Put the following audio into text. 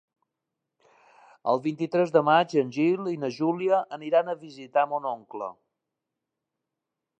El vint-i-tres de maig en Gil i na Júlia aniran a visitar mon oncle.